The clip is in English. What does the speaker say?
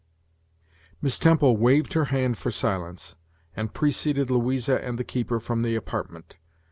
Miss Temple waved her hand for silence, and preceded Louisa and the keeper from the apartment.